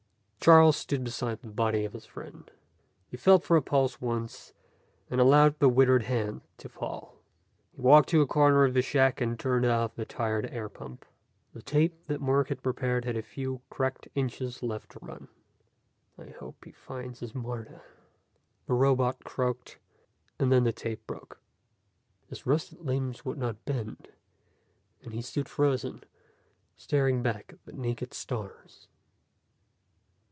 Charles stood beside the body of his friend. He felt for a pulse once, and allowed the withered hand to fall. He walked to a corner of the shack and turned off the tired air pump. The tape that Mark had prepared had a few cracked inches left to run. "I hope he finds his Martha," the robot croaked, and then the tape broke. His rusted limbs would not bend, and he stood frozen, staring back at the naked stars.